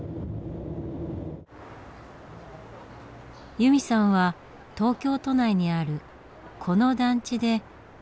由美さんは東京都内にあるこの団地で娘と暮らし始めます。